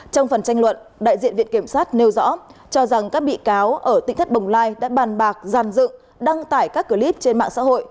trong phần tranh luận đại diện viện kiểm sát nêu rõ cho rằng các bị cáo ở tỉnh thất bồng lai đã bàn bạc giàn dựng đăng tải các clip trên mạng xã hội